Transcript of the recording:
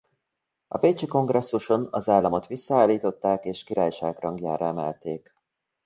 A bécsi kongresszuson az államot visszaállították és királyság rangjára emelték.